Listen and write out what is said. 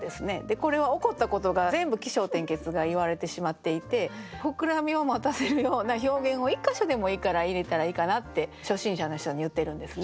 これは起こったことが全部起承転結が言われてしまっていて膨らみを持たせるような表現を１か所でもいいから入れたらいいかなって初心者の人に言ってるんですね。